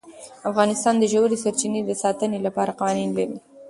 افغانستان د ژورې سرچینې د ساتنې لپاره قوانین لري.